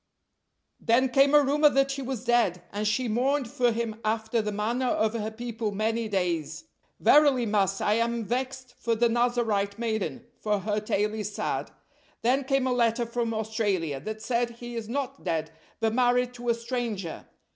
"Then came a rumor that he was dead, and she mourned for him after the manner of her people many days. Verily, master, I am vexed for the Nazarite maiden, for her tale is sad. Then came a letter from Australia, that said he is not dead, but married to a stranger.